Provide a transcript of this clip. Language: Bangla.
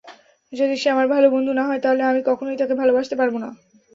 যদি সে আমার ভালো বন্ধু না হয় তাহলে আমি কখনোই তাকে ভালোবাসতে পারবো না।